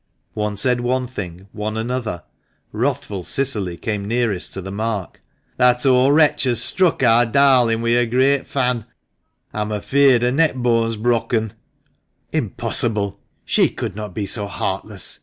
One said one thing, one another. Wrathful Cicily came nearest to the mark. "That old wretch has struck ar darlin' wi1 her great fan. A'm afeared her neckbone's brokken !"" Impossible ! She could not be so heartless